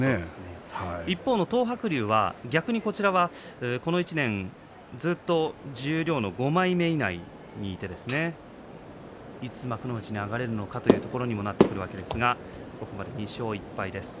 一方の東白龍は逆にこちらはこの１年ずっと十両の５枚目以内にいていつ幕内に上がれるのかというところにもなっているわけですが、ここまで２勝１敗です。